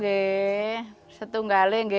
ketika di rumah saya saya selalu menanggung